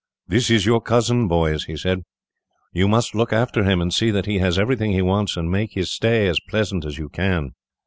"This is your cousin, boys," he said. "You must look after him, and see that he has everything he wants, and make his stay as pleasant as you can."